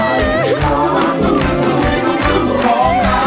เยี่ยมจริง